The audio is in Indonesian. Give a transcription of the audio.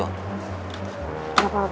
kenapa kayaknya ada gimana gitu